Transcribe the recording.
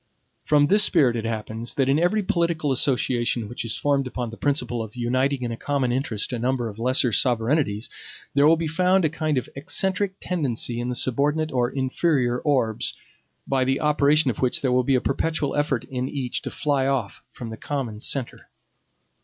From this spirit it happens, that in every political association which is formed upon the principle of uniting in a common interest a number of lesser sovereignties, there will be found a kind of eccentric tendency in the subordinate or inferior orbs, by the operation of which there will be a perpetual effort in each to fly off from the common centre.